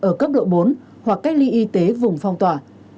ở cấp độ bốn hoặc cách ly y tế vùng phong tỏa